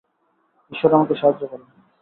ঈশ্বর আমাকে সাহায্য করো!